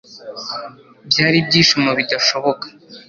byari ibyishimo bidashoboka